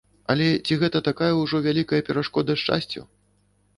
Але ці гэта такая ўжо вялікая перашкода шчасцю?